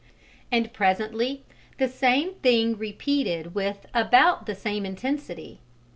And presently the same thing repeated with about the same intensity.